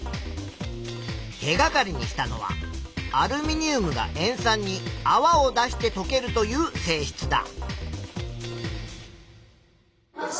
手がかりにしたのはアルミニウムが塩酸にあわを出してとけるという性質だ。